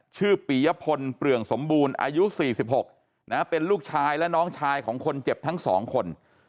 ปียพลเปลืองสมบูรณ์อายุ๔๖เป็นลูกชายและน้องชายของคนเจ็บทั้ง๒คน